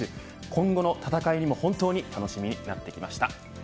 今後の戦いにも本当に楽しみになってきました。